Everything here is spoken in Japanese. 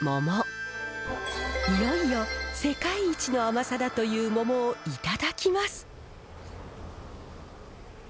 いよいよ世界一の甘さだというモモをいただきます。